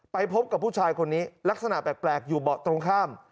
ไปพบกับผู้ชายคนนี้ลักษณะแปลกอยู่เบาะตรงข้าม